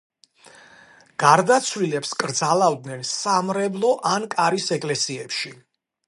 გარდაცვლილებს კრძალავდნენ სამრევლო ან კარის ეკლესიებში.